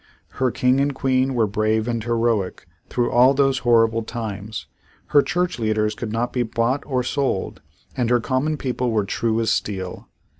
Her King and Queen were brave and heroic through all those horrible times; her church leaders could not be bought or sold, and her common people were true as steel.